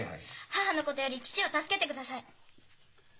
母のことより父を助けてください。